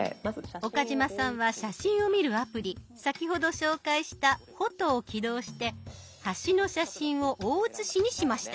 岡嶋さんは写真を見るアプリ先ほど紹介した「フォト」を起動して橋の写真を大写しにしました。